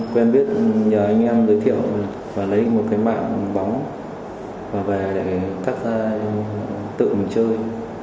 quen biết nhờ anh em giới thiệu và lấy một cái mạng bóng và về để các tự mình chơi